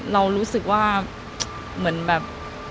เรารู้สึกว่าเหมือนแบบ